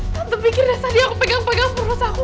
tante pikirnya tadi aku pegang pegang perut aku